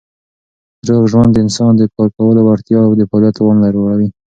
روغ ژوند د انسان د کار کولو وړتیا او د فعالیت توان لوړوي.